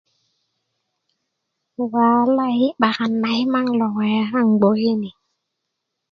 walayi yi' 'bakan na kimaŋ lo waya kaaŋ gboke ni